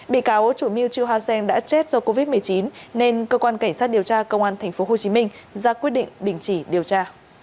bị cáo chủ mưu chiêu hoa sen đã chết do covid một mươi chín nên cơ quan cảnh sát điều tra công an tp hcm ra quyết định đình chỉ điều tra